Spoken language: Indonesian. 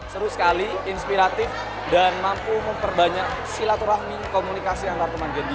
seru sekali inspiratif dan mampu memperbanyak silaturahmi komunikasi antar teman jadi